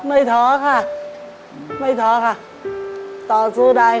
ไม่